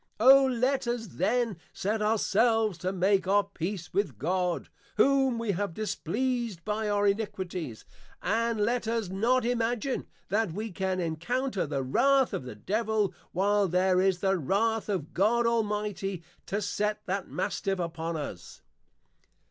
O let us then set our selves to make our peace with our God, whom we have displeased by our iniquities: and let us not imagine that we can encounter the Wrath of the Devil, while there is the Wrath of God Almighty to set that Mastiff upon us.